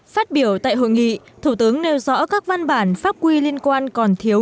phát biểu tại hội nghị thủ tướng nêu rõ các văn bản pháp quy liên quan còn thiếu